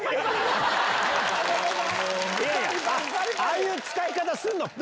ああいう使い方するの？